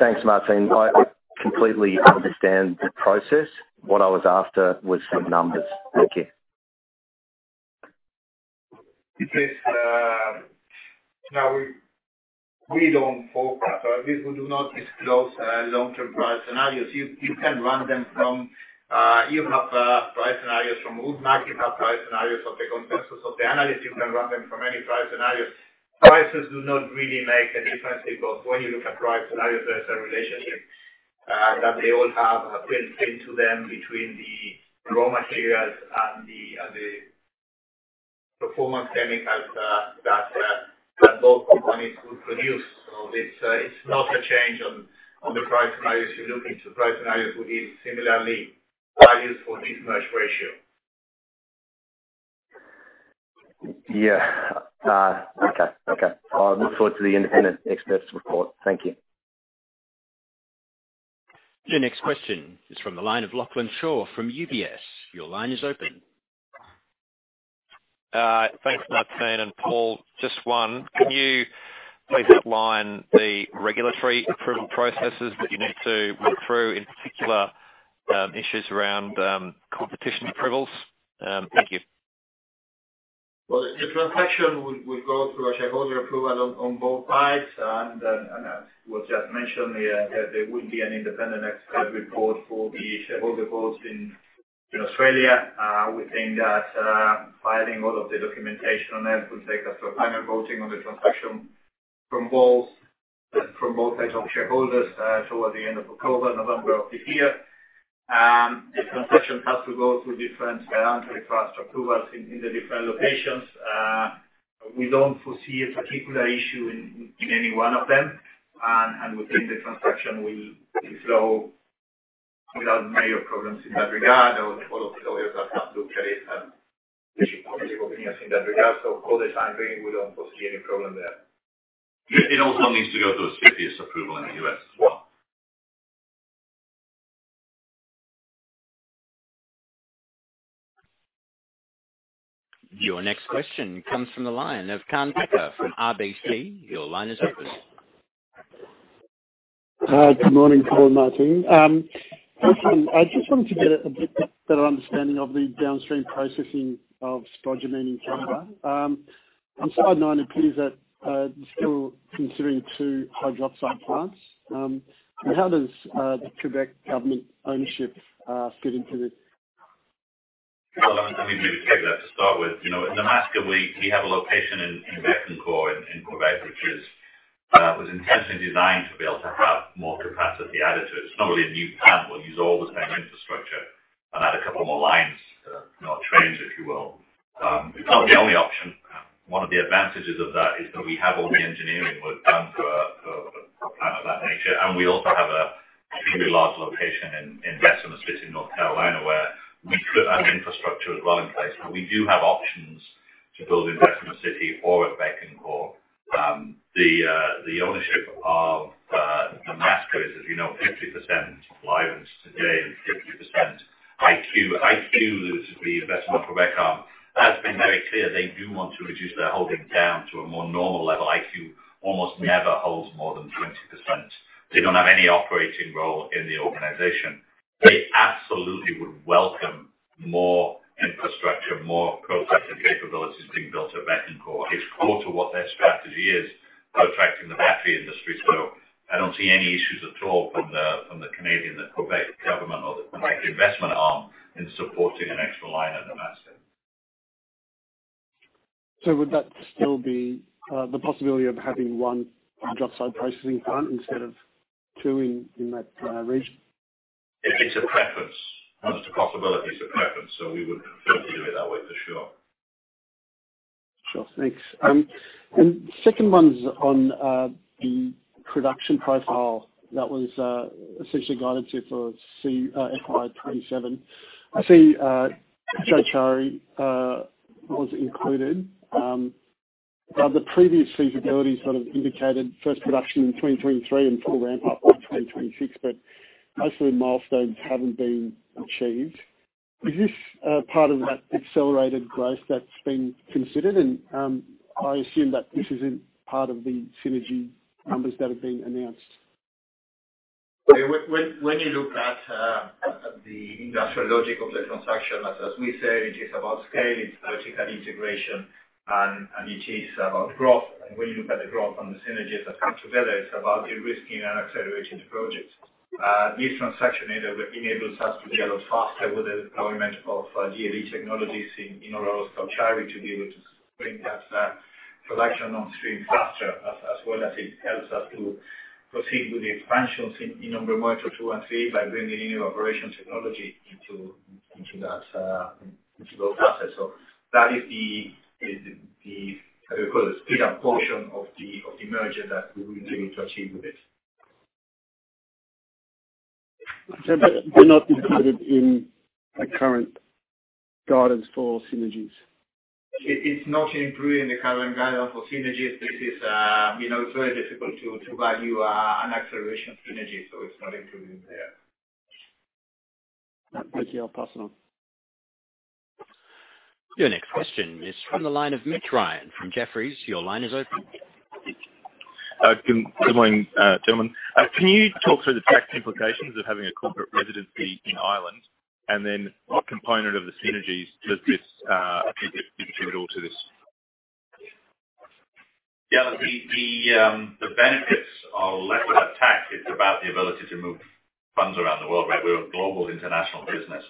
Speaker 9: thanks, Martín. I completely understand the process. What I was after was some numbers. Thank you.
Speaker 2: It is. We don't forecast. We do not disclose long-term price scenarios. You can run them from, you have price scenarios from Woodmac, you have price scenarios of the consensus of the analysts. You can run them from any price scenarios. Prices do not really make a difference because when you look at price scenarios, there is a relationship that they all have built into them between the raw materials and the performance chemicals that both companies would produce. It's not a change on the price scenarios. You're looking to price scenarios will give similarly values for this merge ratio.
Speaker 9: Okay. Okay. I'll look forward to the independent expert's report. Thank you.
Speaker 1: The next question is from the line of Lachlan Shaw from UBS. Your line is open.
Speaker 10: Thanks, Martín and Paul. Just one. Can you please outline the regulatory approval processes that you need to work through, in particular, issues around competition approvals? Thank you.
Speaker 2: Well, the transaction would go through a shareholder approval on both sides. As was just mentioned, yeah, there will be an independent expert report for the shareholder votes in Australia. We think that filing all of the documentation on that would take us to a final voting on the transaction from both sets of shareholders toward the end of October, November of this year. The transaction has to go through different antitrust approvals in the different locations. We don't foresee a particular issue in any one of them. We think the transaction will flow without major problems in that regard. All of the lawyers that have looked at it have issued positive opinions in that regard. Call the sign being, we don't foresee any problem there.
Speaker 3: It also needs to go through a CFIUS approval in the U.S. as well.
Speaker 1: Your next question comes from the line of Kaan Peker from RBC. Your line is open.
Speaker 11: Good morning, Paul and Martin. Listen, I just wanted to get a bit better understanding of the downstream processing of spodumene in Canada. On slide nine, it appears that you're still considering two hydroxide plants. How does the Quebec government ownership fit into this?
Speaker 3: Well, let me maybe take that to start with. You know, at Nemaska, we have a location in Bécancour in Quebec, which is was intentionally designed to be able to have more capacity added to it. It's not really a new plant. We'll use all the same infrastructure and add a couple more lines, you know, trains, if you will. It's not the only option. One of the advantages of that is that we have all the engineering worked done for a plant of that nature. We also have a extremely large location in Vestal, Mississippi, North Carolina, where we put that infrastructure as well in place. We do have options to build in Vestal, Mississippi or at Bécancour. The ownership of Nemaska is, as you know, 50% Livent today and 50% IQ. IQ is the Investissement Québec arm. That's been very clear. They do want to reduce their holding down to a more normal level. IQ almost never holds more than 20%. They don't have any operating role in the organization. They absolutely would welcome more infrastructure, more processing capabilities being built at Bécancour. It's core to what their strategy is, contracting the battery industry. I don't see any issues at all from the Canadian, the Québec government or the Québec investment arm in supporting an extra line at Nemaska.
Speaker 11: Would that still be the possibility of having one hydroxide processing plant instead of two in that region?
Speaker 3: It's a preference. Not a possibility. It's a preference. We would certainly do it that way for sure.
Speaker 11: Sure. Thanks. Second one's on the production profile that was essentially guided to for FY 2027. I see Cauchari was included. The previous feasibility sort of indicated first production in 2023 and full ramp up by 2026, but most of the milestones haven't been achieved. Is this part of that accelerated growth that's been considered? I assume that this isn't part of the synergy numbers that have been announced.
Speaker 2: When you look at the industrial logic of the transaction, as we said, it is about scale, it's vertical integration and it is about growth. When you look at the growth and the synergies that come together, it's about de-risking and accelerating the projects. This transaction enables us to get faster with the deployment of DLE technologies in Olaroz to be able to bring perhaps production on stream faster, as well as it helps us to proceed with the expansions in number one, two, and three by bringing in new operation technology into that, into those assets. That is the, how do you call it? Speed up portion of the merger that we will be looking to achieve with it.
Speaker 11: They're not included in the current guidance for synergies.
Speaker 2: It's not included in the current guidance for synergies. This is, you know, it's very difficult to value an acceleration of synergies, so it's not included there.
Speaker 11: Thank you. I'll pass now.
Speaker 1: Your next question is from the line of Mitch Ryan from Jefferies. Your line is open.
Speaker 12: Good morning, gentlemen. Can you talk through the tax implications of having a corporate residency in Ireland, and then what component of the synergies does this contribute or to this?
Speaker 3: The benefits are less about tax. It's about the ability to move funds around the world, right. We're a global international business,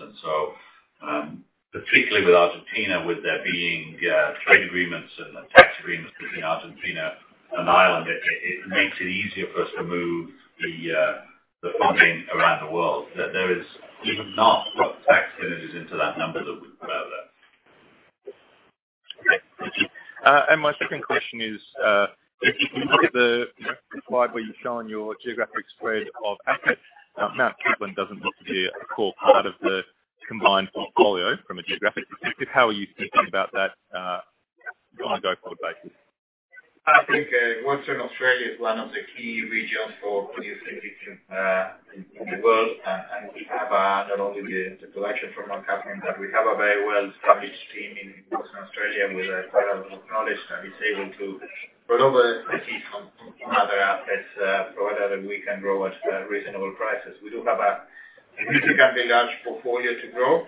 Speaker 3: particularly with Argentina, with there being trade agreements and tax agreements between Argentina and Ireland, it makes it easier for us to move the funding around the world. It's not brought tax synergies into that number that we put out there.
Speaker 12: Great. Thank you. My second question is, if you can look at the slide where you've shown your geographic spread of assets, Mt Cattlin doesn't look to be a core part of the combined portfolio from a geographic perspective. How are you thinking about that, on a go-forward basis?
Speaker 2: I think Western Australia is one of the key regions for producing lithium in the world. We have not only the collection from Mt Cattlin, but we have a very well-established team in Western Australia with a fair amount of knowledge that is able to roll over the
Speaker 12: I see.
Speaker 2: Some other assets, provided that we can grow at reasonable prices. We do have a significantly large portfolio to grow.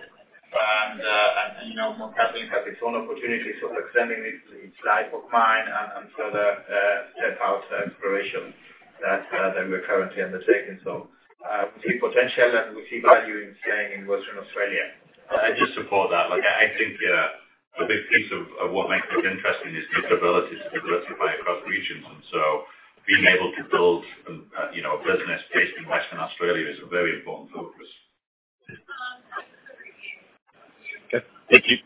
Speaker 2: You know, Mt Cattlin has its own opportunities of extending its life of mine and further step out exploration that we're currently undertaking. We see potential and we see value in staying in Western Australia.
Speaker 3: I just support that. Like, I think, yeah, the big piece of what makes this interesting is this ability to diversify across regions. Being able to build, you know, a business based in Western Australia is a very important focus.
Speaker 12: Okay. Thank you.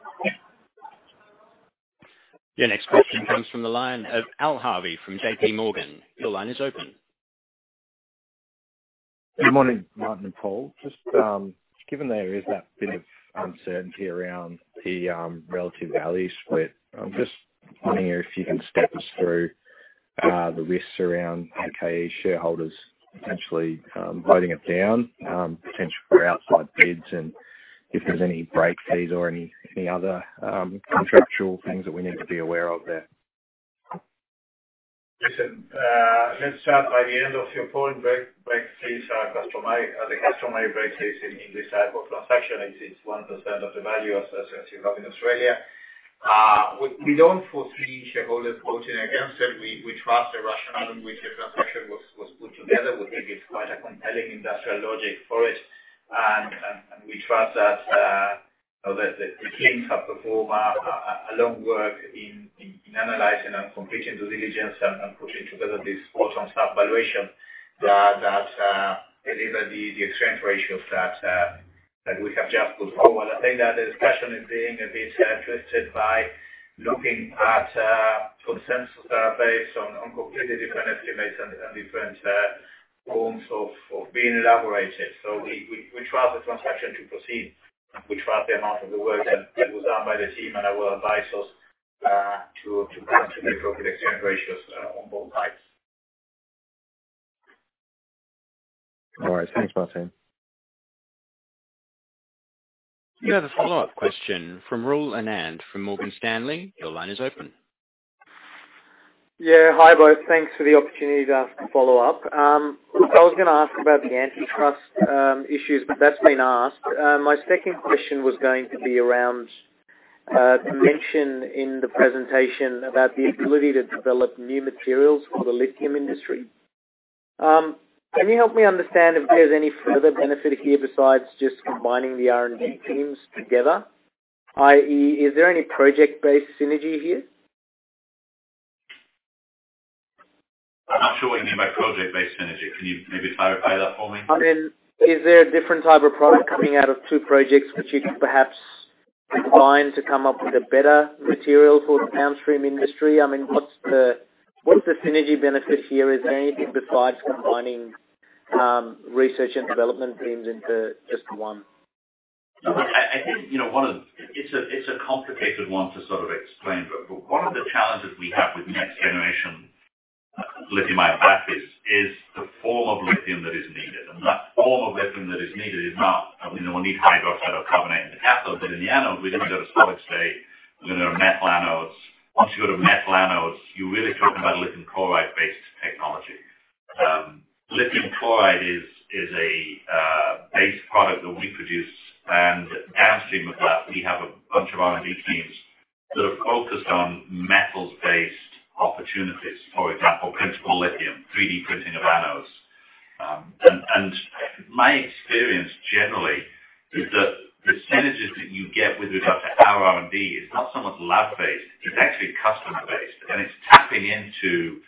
Speaker 1: Your next question comes from the line of Al Harvey from J.P. Morgan. Your line is open.
Speaker 13: Good morning, Martin and Paul. Just given there is that bit of uncertainty around the relative value split, I'm just wondering if you can step us through the risks around Allkem shareholderss potentially voting it down, potential for outside bids, and if there's any break fees or any other contractual things that we need to be aware of there.
Speaker 2: Listen, let's start by the end of your point. Break fees are customary, the customary break fees in this type of transaction. It is 1% of the value as you have in Australia. We don't foresee shareholders voting against it. We trust the rationale on which the transaction was put together. We think it's quite a compelling industrial logic for it. We trust that, you know, the teams have performed a long work in analyzing and completing due diligence and putting together this bottom-up valuation that deliver the exchange ratios that we have just put forward. I think that the discussion is being a bit twisted by looking at consensus based on completely different estimates and different forms of being elaborated. We trust the transaction to proceed. We trust the amount of the work that was done by the team and our advisors to come to the appropriate exchange ratios on both sides.
Speaker 13: All right. Thanks, Martín.
Speaker 1: You have a follow-up question from Rahul Anand from Morgan Stanley. Your line is open.
Speaker 4: Yeah. Hi, both. Thanks for the opportunity to ask a follow-up. I was gonna ask about the antitrust issues, but that's been asked. My second question was going to be around the mention in the presentation about the ability to develop new materials for the lithium industry. Can you help me understand if there's any further benefit here besides just combining the R&D teams together? i.e., is there any project-based synergy here?
Speaker 3: I'm not sure what you mean by project-based synergy. Can you maybe clarify that for me?
Speaker 4: I mean, is there a different type of product coming out of two projects which you could perhaps combine to come up with a better material for the downstream industry? I mean, what's the synergy benefit here? Is there anything besides combining research and development teams into just one?
Speaker 3: I think, you know, one of. It's a complicated one to sort of explain. One of the challenges we have with next-generation Lithium hydroxide is the form of lithium that is needed, and that form of lithium that is needed is not. I mean, we'll need hydroxide or carbonate in the cathode, but in the anode, we then go to stochastic. We're going to metal anodes. Once you go to metal anodes, you're really talking about lithium chloride-based technology. Lithium chloride is a base product that we produce, and downstream of that, we have a bunch of R&D teams that are focused on metals-based opportunities. For example, printable lithium, 3D printing of anodes. My experience generally is that the synergies that you get with regard to our R&D is not so much lab-based. It's actually customer-based. It's tapping into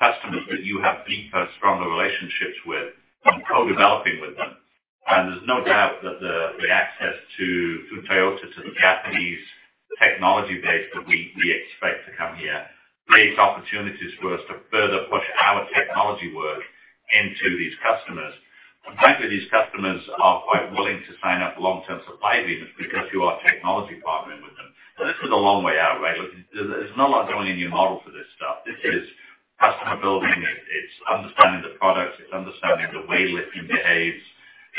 Speaker 3: customers that you have deeper, stronger relationships with and co-developing with them. There's no doubt that the access to Toyota, to the Japanese technology base that we expect to come here creates opportunities for us to further push our technology work into these customers. Frankly, these customers are quite willing to sign up long-term supply agreements because you are technology partnering with them. This is a long way out, right? There's no like building a new model for this stuff. This is customer building. It's understanding the products. It's understanding the way lithium behaves.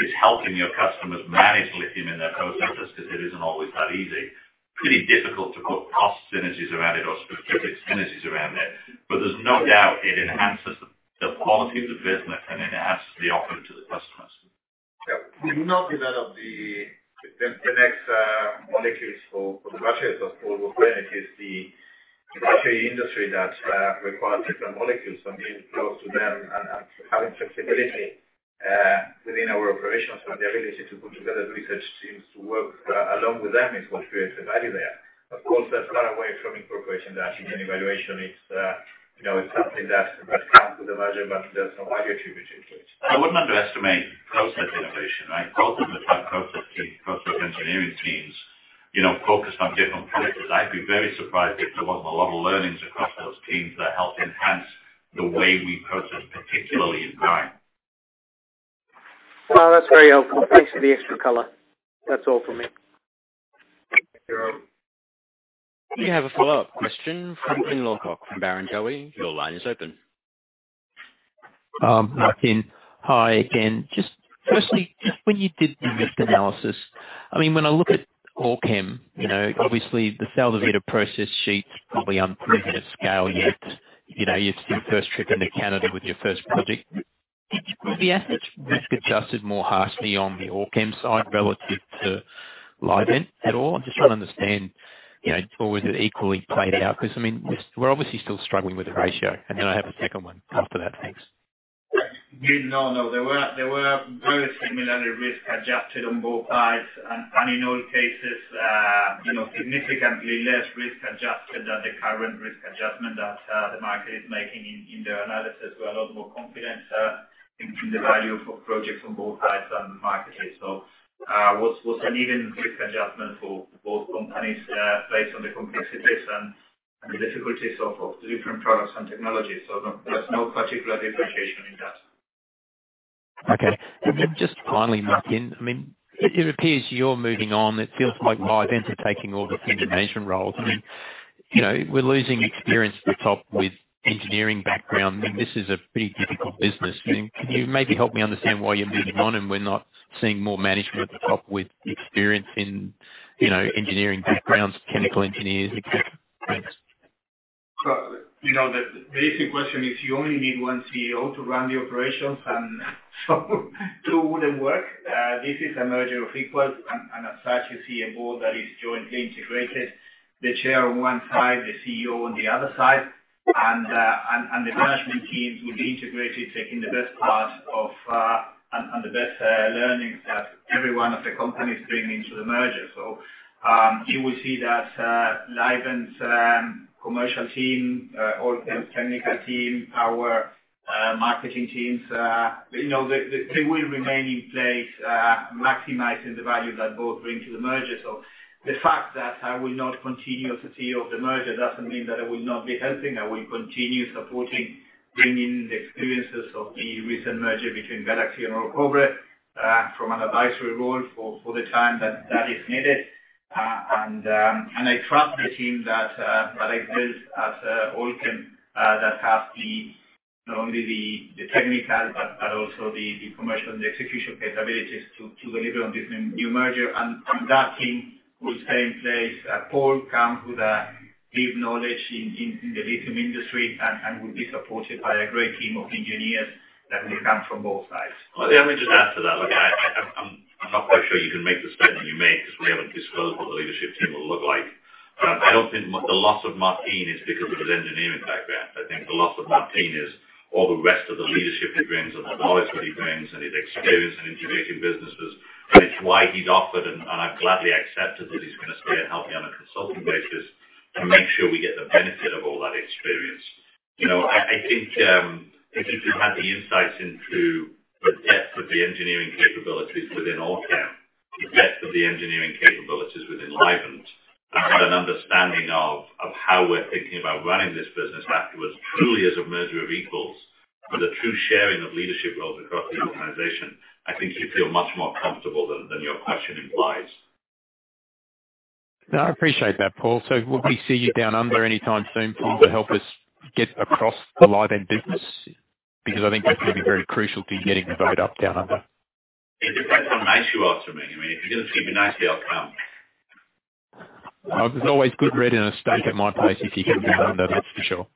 Speaker 3: It's helping your customers manage lithium in their process because it isn't always that easy. Pretty difficult to put cost synergies around it or specific synergies around it, but there's no doubt it enhances the quality of the business, and it enhances the offering to the customers.
Speaker 2: We do not develop the next molecules for the batteries. Of course, what we bring is the battery industry that requires different molecules. Being close to them and having flexibility within our operations and the ability to put together research teams to work along with them is what creates the value there. Of course, that's not away from incorporation that in evaluation it's, you know, it's something that comes with the merger, but there's no value attributed to it.
Speaker 3: I wouldn't underestimate process innovation, right? Both of us have process and process engineering teams, you know, focused on different projects. I'd be very surprised if there wasn't a lot of learnings across those teams that help enhance the way we process, particularly in brine.
Speaker 4: No, that's very helpful. Thanks for the extra color. That's all from me.
Speaker 2: Thank you.
Speaker 1: We have a follow-up question from Glyn Lawcock from Barrenjoey. Your line is open.
Speaker 5: Hi again. Just firstly, when you did the risk analysis, I mean, when I look at Allkem, you know, obviously the Sal de Vida process sheets probably unproven at scale yet. You know, it's your first trip into Canada with your first project. Did you pull the assets risk-adjusted more harshly on the Allkem side relative to Livent at all? I'm just trying to understand, you know, or was it equally played out? 'Cause I mean, we're obviously still struggling with the ratio. I have a second one after that. Thanks.
Speaker 2: Yeah. No, no. They were very similarly risk-adjusted on both sides. In all cases, you know, significantly less risk-adjusted than the current risk adjustment that the market is making in their analysis. We're a lot more confident in the value for projects on both sides than the market is. Was an even risk adjustment for both companies based on the complexities and the difficulties of the different products and technologies. No, there's no particular differentiation in that.
Speaker 5: Okay. Just finally, Martin, I mean, it appears you're moving on. It feels like Livent are taking all the senior management roles. I mean, you know, we're losing experience at the top with engineering background. I mean, this is a pretty difficult business. I mean, can you maybe help me understand why you're moving on and we're not seeing more management at the top with experience in, you know, engineering backgrounds, chemical engineers, et cetera? Thanks.
Speaker 2: You know, the basic question is you only need one CEO to run the operations, and so two wouldn't work. This is a merger of equals, and as such, you see a board that is jointly integrated. The chair on one side, the CEO on the other side, and the management teams will be integrated, taking the best parts of, and the best learnings that every one of the companies bring into the merger. You will see that Livent's commercial team, Allkem's technical team, our marketing teams, you know, they, they will remain in place, maximizing the value that both bring to the merger. The fact that I will not continue as the CEO of the merger doesn't mean that I will not be helping. I will continue supporting, bringing the experiences of the recent merger between Galaxy and Orocobre, from an advisory role for the time that is needed. I trust the team that exists at Allkem, that has the not only the technical but also the commercial and the execution capabilities to deliver on this new merger. That team will stay in place. Paul Graves comes with a deep knowledge in the lithium industry and will be supported by a great team of engineers that will come from both sides.
Speaker 3: Let me just add to that. Look, I'm not quite sure you can make distinction you make because we haven't disclosed what the leadership team will look like. I don't think the loss of Martín is because of his engineering background. I think the loss of Martín is all the rest of the leadership he brings and the knowledge that he brings and his experience in integrating businesses. it's why he's offered, and I gladly accepted that he's gonna stay and help me on a consulting basis to make sure we get the benefit of all that experience. You know, I think if you had the insights into the depth of the engineering capabilities within Allkem, the depth of the engineering capabilities within Livent, and had an understanding of how we're thinking about running this business afterwards, truly as a merger of equals with a true sharing of leadership roles across the organization, I think you'd feel much more comfortable than your question implies.
Speaker 5: I appreciate that, Paul. Will we see you down under anytime soon, Paul, to help us get across the Livent business? I think that's gonna be very crucial to getting the vote up, down under.
Speaker 3: It depends how nice you are to me. I mean, if you're gonna treat me nicely, I'll come.
Speaker 5: Oh, there's always good bread and a steak at my place if you come down under, that's for sure.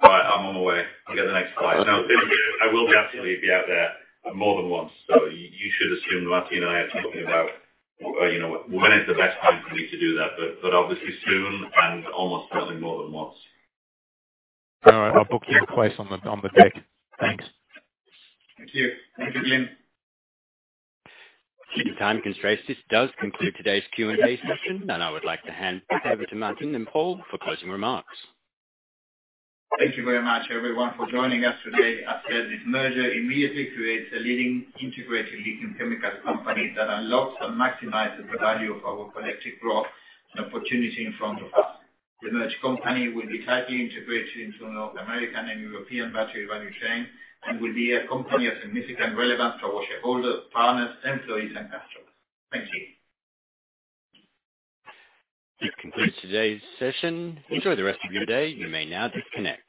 Speaker 3: All right, I'm on my way. I'll get the next flight. I will definitely be out there more than once. You should assume Martin and I are talking about, you know, when is the best time for me to do that. Obviously soon and almost certainly more than once.
Speaker 5: All right. I'll book you a place on the deck. Thanks.
Speaker 2: Thank you. Thanks again.
Speaker 1: Due to time constraints, this does conclude today's Q&A session. I would like to hand back over to Martín and Paul for closing remarks.
Speaker 2: Thank you very much, everyone, for joining us today. As said, this merger immediately creates a leading integrated lithium chemicals company that unlocks and maximizes the value of our collective growth and opportunity in front of us. The merged company will be tightly integrated into North American and European battery value chain and will be a company of significant relevance to our shareholders, partners, employees and customers. Thank you.
Speaker 1: This concludes today's session. Enjoy the rest of your day. You may now disconnect.